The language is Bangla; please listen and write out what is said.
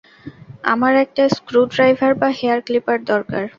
আমার একটা স্ক্রু ড্রাইভার বা হেয়ার ক্লিপার দরকার।